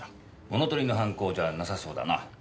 物盗りの犯行じゃなさそうだな。